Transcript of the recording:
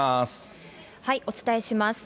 お伝えします。